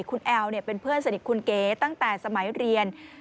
คุณแอลเป็นเพื่อนสนิทคุณเก๋ตั้งแต่สมัยเรียน